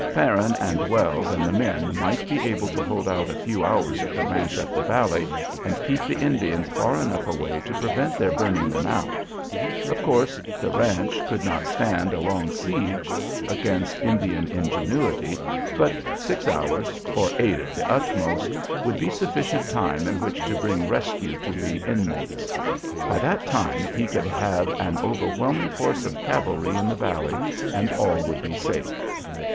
Farron and Wells and the men might be able to hold out a few hours at the ranch up the valley, and keep the Indians far enough away to prevent their burning them out. Of course the ranch could not stand a long siege against Indian ingenuity, but six hours, or eight at the utmost, would be sufficient time in which to bring rescue to the inmates. By that time he could have an overwhelming force of cavalry in the valley, and all would be safe.